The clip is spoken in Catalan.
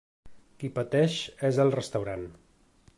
Qui pateix és el restaurant.